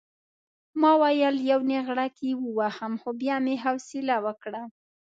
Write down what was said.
ما ویل یو نېغړک یې ووهم خو بیا مې حوصله وکړه.